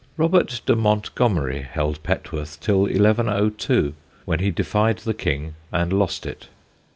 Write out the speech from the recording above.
Robert de Montgomerie held Petworth till 1102, when he defied the king and lost it.